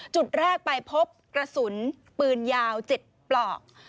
จุดแรกไปพบกระสุนปืนยาว๗ปลอก